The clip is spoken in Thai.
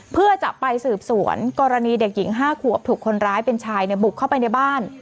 เพื่อจะไปสืบสวนกรณีเด็กหญิง๕ขวบถูกคนร้ายเป็นชายบุกเข้าไปในบ้าน